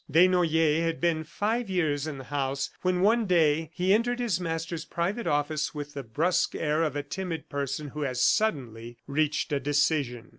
Desnoyers had been five years in the house when one day he entered his master's private office with the brusque air of a timid person who has suddenly reached a decision.